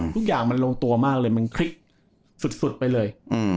ทุกอย่างมันลงตัวมากเลยมันคลิกสุดไปเลย